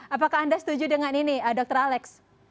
apakah anda setuju dengan ini dr alex